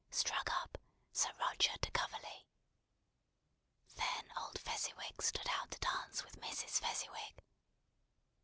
struck up "Sir Roger de Coverley." Then old Fezziwig stood out to dance with Mrs. Fezziwig.